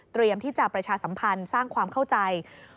ที่จะประชาสัมพันธ์สร้างความเข้าใจ